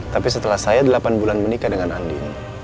tapi setelah saya delapan bulan menikah dengan andi